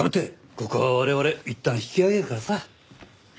ここは我々いったん引き揚げるからさ。